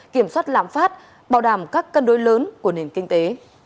kiểm soát lãm phát bảo đảm các cân đối lớn của nền kinh tế